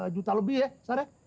dua juta lebih ya sarah